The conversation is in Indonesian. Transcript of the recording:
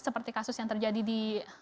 seperti kasus yang terjadi di